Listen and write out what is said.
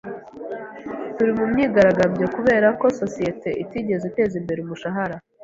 Turi mu myigaragambyo kubera ko sosiyete itigeze iteza imbere umushahara.